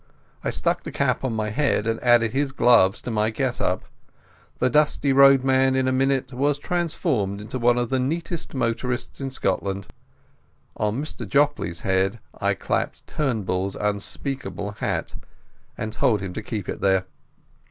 I stuck the cap on my head, and added his gloves to my get up. The dusty roadman in a minute was transformed into one of the neatest motorists in Scotland. On Mr Jopley's head I clapped Turnbull's unspeakable hat, and told him to keep it there.